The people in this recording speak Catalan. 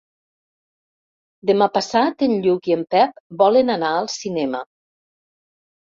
Demà passat en Lluc i en Pep volen anar al cinema.